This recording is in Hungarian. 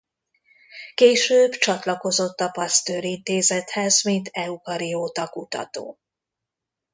Később csatlakozott a Pasteur Intézethez mint eukarióta kutató.